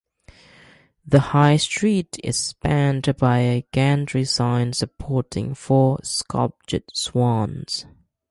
The High Street is spanned by a gantry sign supporting four sculpted swans.